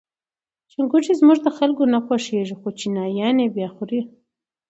چونګښي زموږ د خلکو نه خوښیږي خو چینایان یې با خوري.